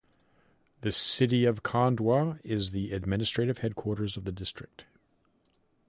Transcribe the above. The city of Khandwa is the administrative headquarters of the district.